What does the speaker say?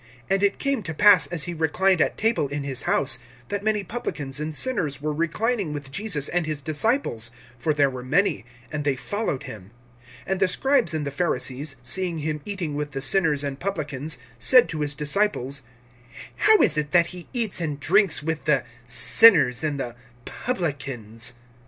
(15)And it came to pass, as he reclined at table in his house, that many publicans and sinners were reclining with Jesus and his disciples; for there were many, and they followed him. (16)And the scribes and the Pharisees, seeing him eating with the sinners and publicans, said to his disciples: How is it that he eats and drinks with the sinners and the publicans?